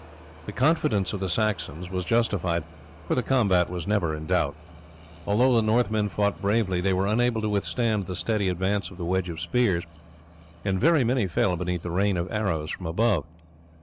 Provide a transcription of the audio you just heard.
The confidence of the Saxons was justified, for the combat was never in doubt. Although the Northmen fought bravely they were unable to withstand the steady advance of the wedge of spears, and very many fell beneath the rain of arrows from above.